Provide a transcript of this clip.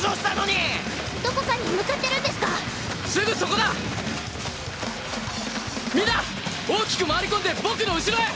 みんな大きく回り込んで僕の後ろへ！